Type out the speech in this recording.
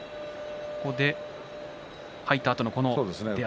ここで入ったあとの出足。